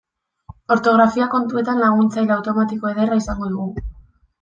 Ortografia kontuetan laguntzaile automatiko ederra izango dugu.